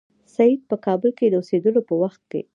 سید په کابل کې د اوسېدلو په وخت کې.